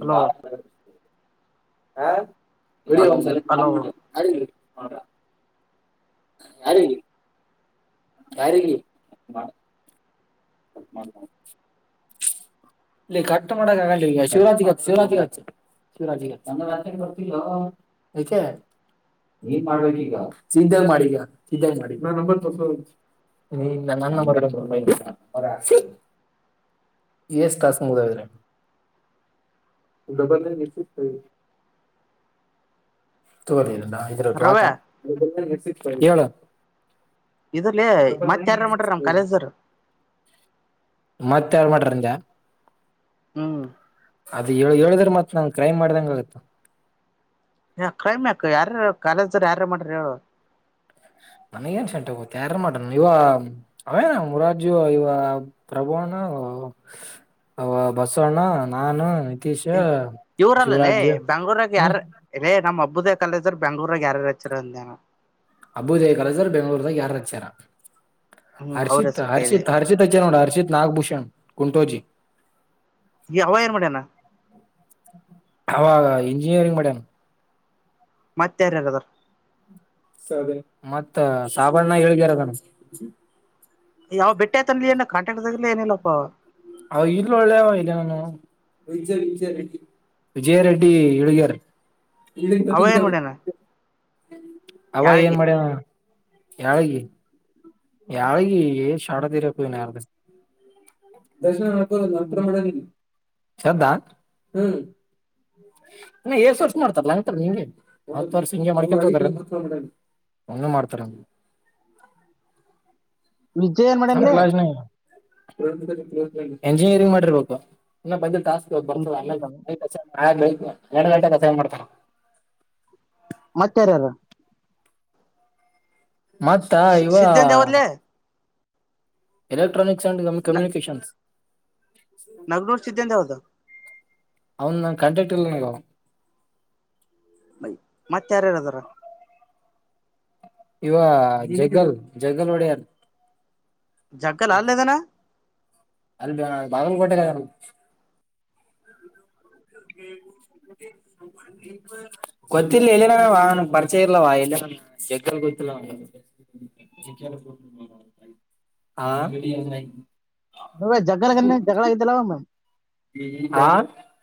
Hello ಗಾ ಹಾ ಒ ಅಲ್ ಒ್ಸ ಹಲೋ ಮಾಡ ಹದ ಅರಿ ಯಾರಿಗೆ ಇ ಕಟ್ಟ ಮಾಡ ಈಗ ಶಿವರಾತ್ಗ ಶಿವರಾತ್ಿವಾಗಗ ಎಷ್ಟ ತಾಸ ಮುಗ್ರ ತ ಹದ್ರಾಕ ರವ್ಯಾ ಹೇಳು ಇದ್ರಲ್ಲಿ ಮತ್ತ ಯಾರಾರ ಮಾಡ್ರಿ ನಮ್ ಕಾಲೇಜ್ರ ಮತ್ತ ಯಾರ್ ಮಾಡಟ್ರಂದ್ಯಾ ಹೂ ಅದ ಹೇಳ ಹೇಳದ್ರ ಮತ್ ನನ್ ಕ್ರೈಮ್ ಮಾಡ್ದಂಗ ಆಗತ್ತ ಯ ಕ್ರಮ್ಯಾಕ ಯಾರ ಕಾಲೇಜ್ದ್ರ ಯಾರ ಮಾಡ್ರಿ ಹೇಳು ನನಗ ನ್ ಸೆಂಟ ತಯಾರ ಮಾಡ ಇವ ಅವೇನ ಮುರಾಜು ಇವ ಪ್ರಭುಣ ಅವ ಬಸವಣ್ಣ ನಾನು ನಿತೀಶ್ ಇವರಲ್ಲಲ್ಲೇ ಶಿವರಾಜ್ ಬೆಂಗ್ಳೂರಾಗ ಯಾರ ಹ್ಮ್ ಇೇ ನಮ್ಮಬ್ಬ ಹಬ್ುದಯ ಕಾಲೇಜ್ರು ಬೆಂಗ್ೂರಾಗ ಯಾರು ಹೆಚ್ಚರ ಅಂದೇನು ಅಬೂಜಯ ಕಾಲೇಜ್ ಅವ್ರ ಬೆಂಗಳೂರಗ ಯಾರು ಅಚ್ಚರ ಹ್ಮ್ ಅವ್ರ ಹರ್ಷಿತ್ ಹೆಸರು ಕೇಳಿದೆ ಹರ್ಷಿತ್ ಹರ್ಷಿತ್ ಅಚ್ಚ ನೋಡ ಹರ್ಷಿತ್ ನಾಗಭೂಷಣ್ ಕುಂಟೋಜಿ ಈ ಅವ ಏನ್ ಮಾಡ್ಯಾನ ಅವಾಗ ಇಂಜಿನಿಯರಿಂಗ್ ಮಡ್ಯಾನ ಮತ್ತೆ ಯಾರ್ ಯಾರ್ ಅದರ ಮತ್ತ ಸಾಬರಣ್ಣ ಹೇಳ್ಗಾರದಾನ ಯಾವ್ ಬೆಟ್ಟೆತನ್ ಏನ ಕಾಂಟ್ಯಾಕ್ಟ್ ಆಗರ್ಲಲಿ ಏನಿಲ್ಲಪ್ಪ ಅವ ಅವ ಇಲ್ಲ ಒಳ್ಳೆವ ಇದೆ ನಾನು [unintelligible] ವಿಜಯ ರೆಡ್ಡಿ ಹೆಳಗಿಯರ್ ಇ [unintelligible] ಅವ ಏನ್ ಹ್ಮ್ ಮಾಡ್ಯನ [unintelligible] ಅವ ಏನ್ ಯಾಳಿಗೆ ಮಾಡ್ಯಣ ಯಾವಿಗೆ ಯಾವಿಗೆ ಶಡ ತೀರ ನ ಯಾರ ಹ್ಮ [unintelligible] ದರ್ಶನ ನಕ ನಂತರ ಹ್ಮ್ ಮಾಡನ್ ಇಲ್ಲಿ ಶ್ದಾ ಎಏಷ್ಟ ವರ್ಷ ಮಾಡ್ತಾರಲ್ಲತಾರ ನಿಂಗೆ ವರ್ ಹ ಒ ಮಾಡ್ತಾರ [unintelligible] ವಿಜಯಏನ್ ನಮ್ ಮಾಡನಿ [unintelligible] ಎಂಜಿನಿಯರಿಂಗ್ ಮಾಡಿರ್ಬೇಕು [unintelligible] ಬರ್ತದೆ ಅಲ್ಲ [unintelligible] [unintelligible] ಆ ಎರಡು ಗಂಟೆ ಕೆಲ್ಸ ಏನ್ ಮಾಡ್ತಾರ ಮತ್ಯಾರಾರ್ ಮತ್ತ ಇವ ಸಿದ್ಧಾಂತ ಯಾವದ್ಲೆ ಎಲ್ಲ [unintelligible] ಎಕ್ಟ್ರಾನಿಕ್ಸ ಅಂಡ್ ಕಮ್ಯನಿಕೇಶನ್ಸ್ [unintelligible] ನಗ್ನೂರ್ ಸಿದ್ದಂದ ಯಾವ್ದು ಅವನು ನ ಕಾಂಟ್ರಾಕ್ಟಲಿಲ್ಲ ಅವ್ ಮಯ ಮತ್ತ ಯಾರ್ಯಾರದಾರ ಇವ ಜಗಲ್ ಜಗಲ್ ಒಡೆಯಾರ ಜಗ್ಗಲ್ [unintelligible] ಅಲ್ಲೇದನ ಅಲ್ಲಿ ಬಾಗಲಕೋಟೆ [unintelligible] [unintelligible] ಗೋತಿಲ್ಲ ಎಲ್ಲಿನ ಅವಾ ಪರೀಚಯ ಇಲ್ಲ ಅವಾ ಎಲ್ಲಿ [unintelligible] ಹ ಝಡ ಝಗಡ [unintelligible] ಹ್ಮ ಹಾ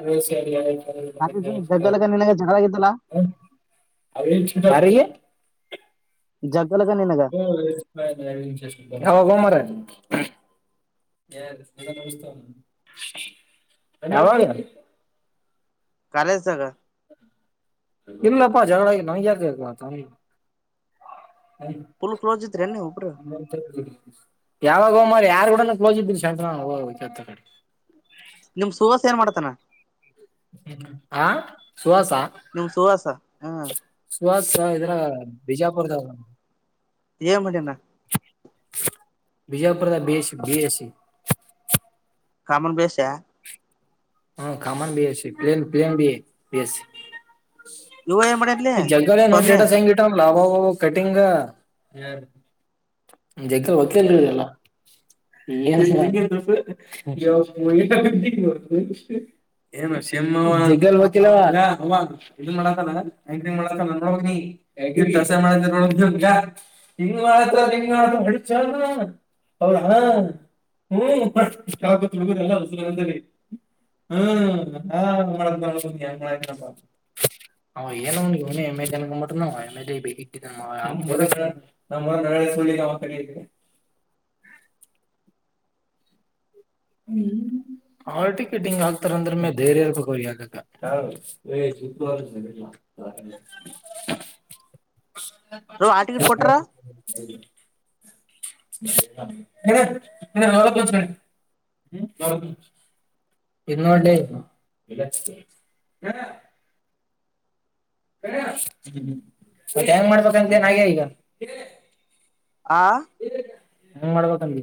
ಅ ಸರಿಯ ಜಗ್ಗಲಗ ನಿನಗ ಜಗಳ ಆಗಿದ್ದಲ್ಲ [unintelligible] [unintelligible] ಜಗ್ ಹೋಗೋ ಮಾರಯ್ [unintelligible] ಯಾವಗ, ಕಾಲೇಜ್ದಾಗ ಇಲ್ಲಪ್ಪಾ ಜಗಳ ಆಗಿ ನನಿಗ್ ಯಾಕ್ ಜಗಳ ಆತ ಫುಲ್ ಕ್ಲೋಸ್ ಇದ್ರೇನ್ ನೀವ್ ಒಬ್ರು ಯಾವಾಗೋ ಯಾರ ಕೂಡನು ಕ್ಲೋಸ್ ಇದ್ದೀರಿ ಶಂಕ್ರಣ [unintelligible] ನಿಮ್ ಸುವಾಸ ಏನ್ ಮಾಡ್ತಾನ? ಹ್ಮ ಆ ಸುವಾಸ ನಿಮ್ ಸುಹಾಸ ಹ್ಮ್ ಸುವಾಸ ಇದ್ರಾಗ ಬಿಜಾಪುರದಗ್ ಅನ. ಏನ್ ಮಾಡಿಯನ ಬೀಜಾಪುರದಾಗ್ B SC B S C. Common ಬೆಸ್ಸಿಯಾ ಹ common B S C plain plain B B S C. ನೀವ ಏನ್ ಮಾಡಯನ್ ಈ ಜಗ್ಗರೆ ನೋಟೆಡ್ ಸೈನ್ ಗಿಟಂ ಲಾಭ ಕಟಿಂಗ [unintelligible] ಇದುನ್ ಮಾಡಕಲ್ಲ. [unintelligible] ಏನೋ ಇವ್ನೆ [unintelligible] ಹ್ಮ್ ಹಾಲ್ ಟಿಕೆಟಿಂಗ್ ಆಕ್ತಾರ ಅಂದ್ರಮೇ ಧೈರ್ಯ ಇರ್ಬೆಕ್ ಅವ್ರಿಗ್ ಹಾಕಕ್ಕ ರವ್ ಆ ಟಿಕೆಟ್ ಕೊಟ್ರ [unintelligible] [unintelligible] [unintelligible] ಹ್ಮ್ ಯವ್ದೃದ್ ಇದ್ ನೋಡ್ಲೆ ಹಾ ಮತ್ ಹೆಂಗ್ ಮಾಡ್ಬೇಕಂತೇನ್ ಆಯ್ಯ ಈಗ ಆ ಹೆಂಗ್ ಮಾಡ್ಬೇಕಂದಿ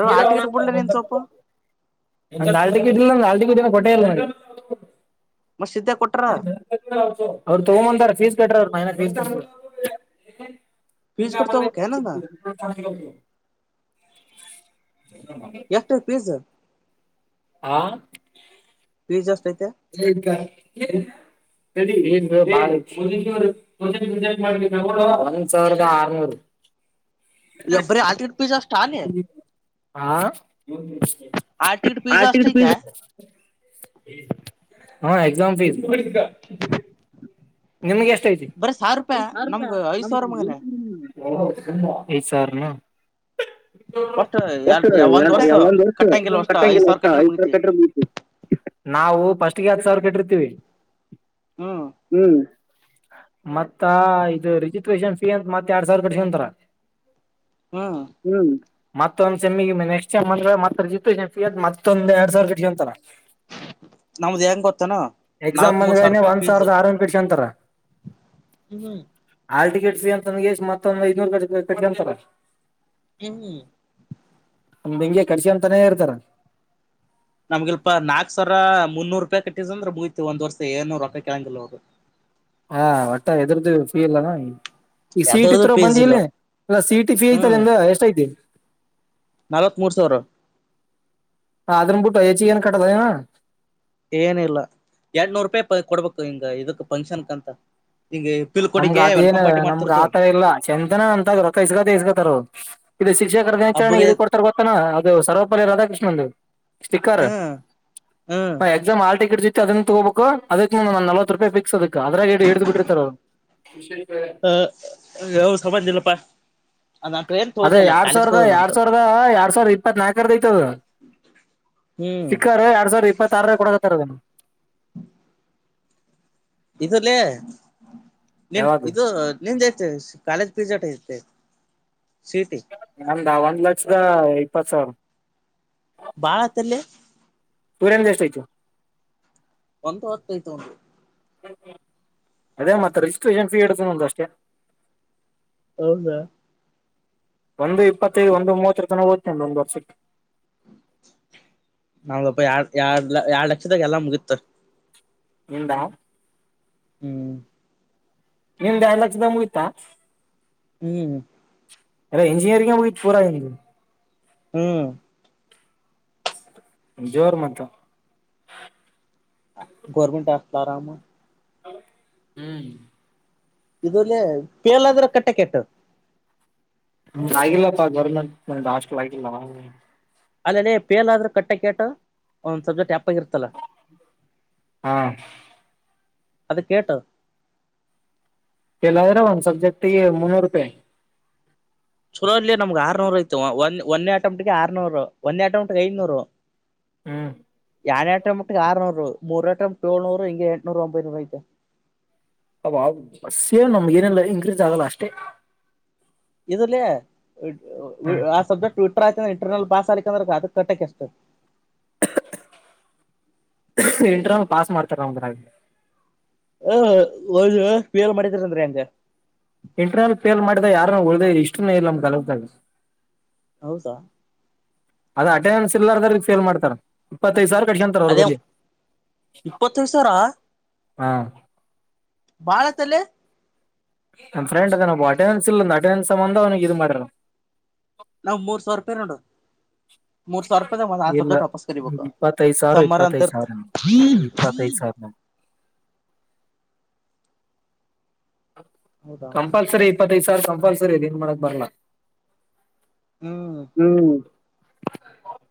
ರೊ ಹಾಲ್ಟಿಕೆಟ್ ಬುಡ್ಲೆ ನೀನ್ ಸೊಲ್ಪ ನಂದ್ ಹಾಲ್ಟಿಕೆಟ್ ಇಲ್ಲ ನಂಗ್ ಹಾಲ್ ಟಿಕೆಟ್ ಇನ್ನು ಕೊಟ್ಟೆ ಇಲ್ಲ ನಂಗೆ. ಮತ್ ಸಿದ್ದೆ ಕೊಟ್ರ ಅವ್ರು ತಗೊ ಬಂದಾರ ಫೀಸ್ ಕಟ್ರ ಅವ್ರು ನಾ ಇನ್ನ ಫೀಸ್ ಕಟ್ಟಿಲ್ಲ. ಫೀಸ್ ಕಟ್ಟ ತಗೋಬೇಕ ಏನಂದ [unintelligible] ಎಷ್ಟ ಫೀಸ್ ಹಾ ಫೀಸ್ ಎಶ್ [unintelligible] ಏ ಮಾಡ [unintelligible] ಒಂದ್ ಸಾವಿರದ ಆರ್ನೂರು. ಯ ಬರಿ ಆಟ ಪಿ ಅಷ್ಟ ಅಲ್ಲಿ ಹಾ ಆ ಟಿಕೆಟ್ ಫೀಸ್ ಆಟ ಅಷ್ಟ ಐತೆ ಹಾ ಎಕ್ಸಾಮ್ ಫೀಸ್ ನಿಮಗೆ ಎಷ್ಟ ಬರೀ ಸಾವಿರ ರೂಪಾಯಿ ನಮ್ಗ ಐದ್ ನಮ ಸಾವಿರ ಮಗನೇ ಸಾರ್ ನ ಒಷ್ಟ ಷ ಎ ಒಂದ್ ಒ ವರ್ಷ ಕಟ್ಟಂಗಿಲ್ಲ ಅಷ್ಟ ಐದ್ ಸಾವಿರ ಕಟ್ಟಂಗಿಲ್ಲರ್ ಕಟ್ಟ್ರ ಐದ ಮುಗತಿ ಕ ನಾವು ಫಸ್ಟ್ಗೆ ಹತ್ ಸಾವಿರ ಕಟ್ಟಿರ್ತಿೀವಿ ಹ್ಮ್ ಮತ್ತ ಇ ರಿಜಿಸ್ಟ್ರೇಷನ್ ಫೀ ಅಂತ ಮತ್ತೆ ಎರಡ್ ಸಾವಿರಪಕಂತಾರ ಹ್ಮ ಹ್ಮ್ ಮತ್ತೊಂದ್ ಸೆಮ್ಮಿ ನೆಕ್ಸ್ಟ್ ಟಮ್ ಅಂದ್ರೆ ಮತ್ತ ಮತ್ತೊಂದು ಎರಡು ಸ ಅಂತಾರ ನಮ್ದ ಹೆಂಗ ಗೊತ್ತನಾ ಎಕ್ಸಾಮ್ ನಾಲ್ತ್ ಮೂರ್ ಸಾವಿರ ಬಂದ್ಗಳನೆ ರೂಪಾಯಿ ಒಂದ್ ಸಾವಿರದ ಪೀಜ್ಮ ಆರ್ನೂರ್ ಕಟ್ಕೊಂತಾರ ಅಂತಷ್ಟ ಮತ್ತೊಂದ ಐನೂರು ಕ ಅಂತಾರ ಹ ನಮ ಹಿಂಗೆ ಕಡ್ಸಿ ಅಂತಾನೇ ಇರ್ತಾರ ನಮ್ಗೆಲ್ಪ ನಾಕ್ ಸಾವಿರ ಮುನ್ನೂರು ರೂಪಾಯಿ ಕಟ್ಟ್ ಅಂದ್ರೆ ಮುಗತಿ ಒಂದ್ ವರ್ಷ ಏಡ್ನೂರು ರೂಪಾಯಿ ಕೆಳಂಗಿಲ್ಲ ಅವ್ರು ಹಾ ಒಟ್ಟ ಎದ್ರ್ದು ಫೀ ಇಲ್ಲಾನ ಈ ಈ ಯಾವ್ದರ್ದು ಸೀಟಿತ್ರರ ಬಂದ ಪೇಜ್ ಇಲ್ಲ ಇಲ್ಲಿ ಎಲ್ಲ ಸೀಟ ಫೀ ಐತಲ್ಲ ಹ್ಮ್ ನಿಂಗ ಎಷ್ಟ ಐತಿ ನಲ್ವತ್ ಮೂರ್ ಸಾವಿರ ಹದರಂಬುಟ್ಟೋ ಚನ್ ಕಟ್ಟದ ಏನಿಲ್ಲ ಎರಟ್ನೂರು ರೂಪಾಯಿ ಕೊಡ್ಬೇಕು ಹಿಂಗ ಇದಕ್ ಫಂಕ್ಷನ್ಕ್ಂತ ನಮ್ಗ ಅದೇನ್ ನಮ್ಗ ಆತರ ಇಲ್ಲ ಚಂದನ ಅಂತದ್ ರಥ ಇಸ್ಗತ್ತ ಇಸ್ಗತ್ತಾರ ಇದು ಶಿಕ್ಷಕರ ದಿನಾಚರಣೆಗೆ ಹಬ್ಬದ ಇದು ಕೊಡ್ತಾರ ಗತ್ತತನಾ ಅದು ಸರ್ವಪಾಲಯ ರಾಕೃಷ್ಣನ್ಂದು ಸ್ಟಿಕರ್ ಹ್ಮ್ ಹ್ಮ್ ಎದಮ ಹಲ್ಟಿಕಟ್ ಅದನ್ನ ತಗೋಬೇಕು ಅದಕ್ ನಲ್ವ ರೂಪಾಯಿ ಿಕ್ಸ್ ಅದಕ್ಕೆ ಗಾ್ರ ಗೇಡೆ ಹಡ್ದು ಬಿಟ್ಟರ್ತಾರ ಅವರು ಹ ಯವು ಸಮಾಜಿಲ್ಲಪ್ಪಾ ಅದೇ ಎರಡ್ ಸಾವಿರದ ಎರಡ್ ಸಾವಿರದ ಎರಡ್ ಸಾವಿರದ ಇಪ್ಪತ್ ನಾಲ್ಕರದ ಐತದ ಹ್ಮ್ ಸಿಕ್ಕರ್ ಎರಡ್ ಸಾವಿರದ ಇಪ್ಪತ್ತ ಆಾರ ಕೊಡಕತ್ತಾರದ ಹ್ಮ ಇಲ್ಲ ನಿನ್ ಯಾವಾಗ ಇದು ನಿಂದಐತೆ ಕಾಲೇಜ್ ಪಿಜ ಟ ಐತೆ ಸೀಟಿ ನಮ್ದ ಒಂದ್ ಲಕ್ಷದ ಇಪತ್ತು ಸಾವಿರ ಬಾಳತ್ತಲ್ಲೆ [unintelligible] ಒಂದು ಹತ್ತೈತು ಅವಂದು ಅದೇ ಮತ್ತೆ ರಿಜಿಸ್ಟ್ರಷನ್ ಫೀ ಇಡತಂದ ಅಷ್ಟೇ ಹೌದಾ ಒಂದು ಇಪ್ಪತ್ತ ಒಂದು ಮೂವಟ್ರು ತನ ನಂಬರ್ [unintelligible] ನಾವಪ್ಪ ಯಾರ್ ಎರಡು ಲಕ್ಷದಾಗ ಎಲ್ಲ ಮುಗಿತ ನಿಂದ ಹ್ಮ್ ನಿಮ್ದ ಎರಡು ಲಕ್ಷದ ಮುಗಿತಾ ಹ್ಮ್ ಎಲ್ಲ ಇಂಜಿನಿಯರಿಂಗೋಗ ಪೂರ ಹ್ಮ್ ಜೋರ್ ಮತ್ತ ಗೌರ್ಮೆಂಟ್ ಹಾಸ್ಟೆಲ್ ಆರಾಮ ಹ್ಮ್ ಇದುಲ್ಲೇ ಕೇಳಾದ್ರ ಕಟ್ಟೆ ಕೆಟ್ಟ ಆಗಿಲ್ಲಪ್ಪ ಗೌರ್ಮೆಂಟ್ ಹಾಸ್ಟೆಲ್ ಆಗಿಲ್ಲ ಅಲ್ಲ ಪೇಲ್ ಆದ್ರೂ ಕಟ್ಟೆ ಕೇಟ್ಟ ಒಂದ್ ಸಬ್ಜೆಕ್ಟ್ ಯಪ್ಪಾಗಿರ್ತಲ್ಲ ಹಾ ಅದಕ್ಕೆ ಎಷ್ಟು ಇಲ್ಲಾದ್ರೆ ಒಂದ್ ಸಬ್ಜೆಕ್ಟ್ಗೆ ಮುನ್ನೂರು ರೂಪಾಯಿ ಚಲೋ ನಮ್ಗ್ ಆರ್ನೂರು ಐತ ಒಂದೇ ಅಟೆಂಪ್ಟ್ಗೆ ಆರ್ನೂರು ಒಂದೇ ಅಟೆಂಟ್ಗೆ ಐದನೂರು ಹ್ಮ್ ಅಟೆಂಪ್ಟ್ ಆರುನೂರು ಮೂರ್ ಅಟೆಂಪ್ಟ್ ಏಳ್ನೂರು ಹಂಗೆ ಎಂಟುನೂರ ಒಂಬೈನೂರು ಐತೆ [unintelligible] ನಮ್ಗ ಏನೆಲ್ಲ ಇನ್ಕ್ರೀಸ್ ಆಗಲ್ಲ ಅಷ್ಟೇ ಇದುಲ್ಲೆ ಹ್ಮ್ ಆ ಸಬ್ಜೆಕ್ಟ್ಟರ್ ಆಯತ ಅಂದ್ರ ಇಂಟರ್ನಲ್ ಬಾಸ್ ಆಲಿ ಅಂದ್ರ ಅದಕ್ಕೆ [unintelligible] ಇಂಟರ್ನಲ್ ಪಾಸ್ ಮಾಡ್ತಾರ ಒಂದ್ರ ಹಾ [unintelligible] ಹೆಂಗೆ ಇಂಟರ್ನಲ್ ಪೇಲ್ ಮಾಡಿದ ಯಾರ ಒಳ್ದ ಇಷ್ಟು ಇಲ್ಲ ನಮ್ ಕಲದಲ್ಲಿ ಹೌದಾ ಅದ ಅಟೆಂಡೆನ್ಸ್ ಇಲ್ಲಾರದ್ರ ಫೇಲ್ ಮಾಡ್ತಾರ ಇಪ್ಪತ್ತೈದು ಸಾವಿರ ಕಟ್ಕೊಂತಾರ ಅವ್ರ ಅದೇ ಬಲ್ಲಿ [inaudible] ಇಪಾತೈದು ಸಾವಿರ ಹಾ ಬಳತಲ್ಲೇ ನಮ್ಮ ಫ್ರೆಂಡು ಅಟೆಂಡೆನ್ಸ್ ಇಲ್ಲಂದ ಅಟೆಂಡೆನ್ಸ್ ಸಂಬಧ ಅವನಿಗೆ ಇದು ಮಾಡರು ನಾವ್ ಮೂರ್ ಸಾವಿರ ರೂಪಾಯಿ ನೋಡು ಮೂರ್ ಸಾವಿರ ರೂಪಾಯಿದಾಗ ಒಂದ್ ಆ ಇಲ್ಲ ಸಬ್ಜೆಕ್ಟ್ ವಾಪಸ್ ಕರಿಬೇಕು ಇಪ್ಪತ್ತೈದು ಸಾವಿರ ಸಮ್ಮರ್ ಅಂತ ಇಪ್ಪತ್ತೈದು ಇರ್ತ ಸಾವಿರ ಇಪ್ಪತ್ತೈದು ಸಾವಿರ ಹೌದಾ ಕಂಪಲ್ಸರಿ ಇಪ್ಪತ್ತೈದು್ ಸಾವರ ಕಂಪಲ್ಸರಿ ಅದ ಏನ್ ಮಾಡಕ್ ಬರ್ಲಾ ಹ್ಮ್ ಹ್ಮ್ [inaudible]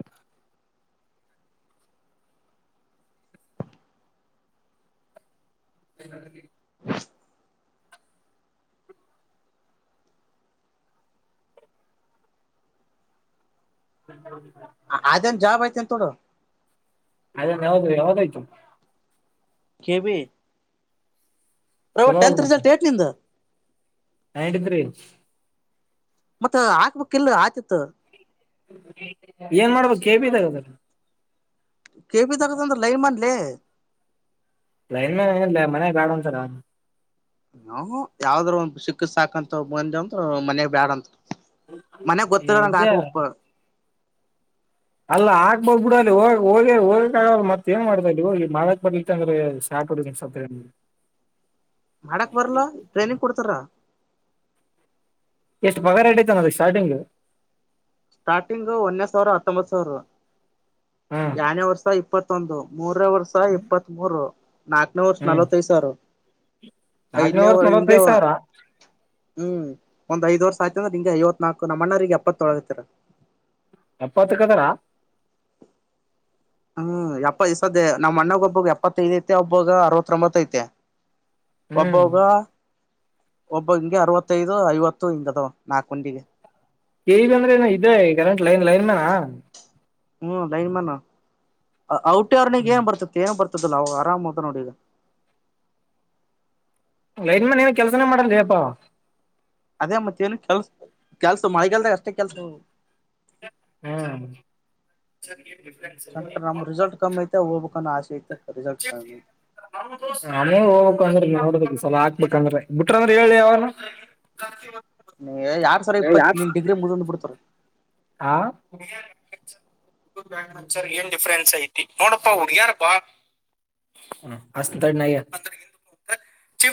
[inaudible] ಹ್ಮೌ ಅದೇನ್ ಜಾಬ್ ಐತಿ ಅಂತ ನೋಡು ಅದ ಯಾವದು ಯಾವದಾಯ್ತು ಕೆವಿ ರವಾ ಟೆಂತ್ ರಿಸಲ್ಟ್ ಏಟ್ ನಿಂದ ಹಾ ಹೇಳಿದ್ರಿ ಮತ್ತ ಹಾಕ್ಬೇಕಕ್ ಇಲ್ ಆತಿತ್ತು ಏನ್ ಮಾಡ್ಬೇಕದು ಕೆಬ ತಗದಾರ ಕೆಪಿ ತರದ ಅಂದ್ರ ಲೈಮನ್ಲೆ ಲೈನ್ ಮನ್ ಏ ಮನ ಬ್ಯಾಡಒಂತರ ಅವ ನ ಯಾವ್ದ್ರ ಒಂದ ಚಿಕ್ಕ ಸಾಕಂತ ಮುಂದಜ ಅಂದ್ರ ಮನೆಯಾಗ ಬ್ಯಾಡ ಅಂತ ಮನ್ಯಾಗ ಗೊತ್ತಿಲ್ಲ ನಂಗ ಆತ ಇಜ್ಜ ಒಪ್ಪ ಅಲ್ಲ ಆಾಕ್ಬ ಬಿಡ ಅಲ್ಲಿ ಹ ಹೋಗ ಹೋಗಕ್ ಆಗ ಮತ್ತತ್ ಏನ್ ಮಾಡುದ ಇಲ್ಲಿ ಹೋಗಿ ಮಾಡಕ್ ಬರ್ಲಿತ್ತ ಅಂದ್ರೆ ಸ್ಯಾಟ್ ಮಾಡಕ್ ಬರ್ಲ್ಲ ಟ್ರೈನಿಂಗ್ ಕೊಡ್ತಾರ ಎಷ್ಟು ಪಗ ಇಟೈತೆ ನದಗ್ ಸ್ಟಾರ್ಟಿಂಗ್ ಸ್ಟಾರ್ಟಿಂಗು ಒನ್ನೇ ಸಾವಿರ ಹತ್ತೊಂಬತ್ತು ಸಾವಿರ ಹ್ಞೂ ಎರಡೂನೇ ವರ್ಷ ಇ ಇಪ್ಪತ್ತೊಂದು ಮೂರೇ ವರ್ಷ ಇಪ್ಪತ್ತ್ ಮೂರು ನಾಲ್ಕನೇ ವರ್ಷ ನಲ್ವತ್ತೈದು ಸಾವಿರ ನನೇ ಐದನೇ ವರ್ ಹಿಂಗೆ ನಲವತ್ತೈಐ ಸಾವಿರ ಹ್ಮ್ ಒಂದ್ಐದ ವರ್ಷ ಆಯ್ತ ಅಂದ್ರೆಂ ಐವತ್ ನಲ್ ನಣ್ಣರಿಗೆ ಎಪ್ಪತ್ತೊಳಗತ್ತತರ ಎಪ್ಪಾತ್ ಕದರಾ ಹ್ಮ್ ಎಪ್ಪ ಸದ ನಮ್ಮ್ ಮಣ್ಣಗ್ ಒಬ್ಬಗ್ ಎಪ್ಪತ್ತೈದ್ ಐತೆ ಒಬ್ಬಗ ಅರವತ್ತೊಂಬತ್ತ ಐತೆ ಹ್ಞೂ ಒಬ್ಬಗ ಒಬ್ಬ ಹಿಂಗೆ ಅರವತ್ತೈದು ಐವತ್ತು ಹಿಂಗದು ನಾಕು ಮಂದಿ ಕೇಲ್ ಅಂದ್ರೆನ ಇೇ ಲೈನ್ ಲೈನ್ ಮಾನ ಹ್ಮ್ ಲೈನ್ ಮ್ಯಾನ್ ಔಟಿರ್ನಿಗೆ ಏನ್ ಬರ್ತತಿ ಏ ಬರ್ ಲ್ಲ ಅವಾಗ ಆರಾಮತ ನೋಡಿಗ ಲೈನ್ ಮನನ ಕೆಲ್ಸನೇ ಮಾಡನ್ರಿಪ್ಪಾ ಅದೇ ಮತ್ತೆ ಏನು ಕೆಲ್ಸ ಕೆಲ್ಸ ಮಳೆಗಲ್ದ ಅಷ್ಟೇ ಕೆಲ್ಸ ಹಾ ಸೆಂಟ್ರ ನಮ್ ರಿಸಲ್ಟ್ ಕಮ್ಮಿ ಐತೆ ಹೋಗ್ಬೇಕನ್ನೋ ಆಸೆ ಐತೆ ರಿಸಲ್ಟ್ ಕಮ್ಮಿ ನಾನೇ ಹೋಗಂದ್ರೆ ನೋಡ ಒಂದ್ಸಲ ಹಾಕ್ಬೇಕಂದ್ರೆ ಬಿಟ್ರಂದ್ರೆ ಹೇಳಿ ಯಾರ ಹ ಹ ಡಿಫೆನ್ಸ್ ಐತಿ ನೋಡ ಹುಡುಗ್ಯಾರ ಬಾ ಅಚ್ಚ ತಡಿ